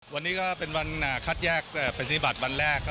วันนี้ก็เป็นวันคัดแยกปฏิบัติวันแรก